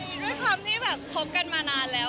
คือด้วยความที่แบบคบกันมานานแล้ว